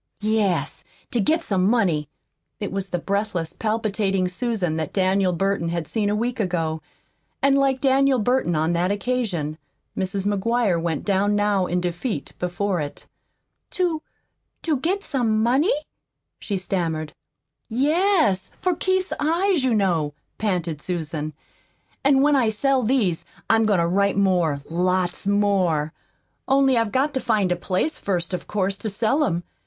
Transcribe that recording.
"Yes, to get some money." It was the breathless, palpitating Susan that Daniel Burton had seen a week ago, and like Daniel Burton on that occasion, Mrs. McGuire went down now in defeat before it. "To to get some money?" she stammered. "Yes for Keith's eyes, you know," panted Susan. "An' when I sell these, I'm goin' to write more lots more. Only I've got to find a place, first, of course, to sell 'em.